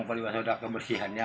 memperlihatkan sudah kebersihannya